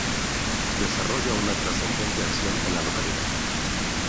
Desarrolla una trascendente acción en la localidad.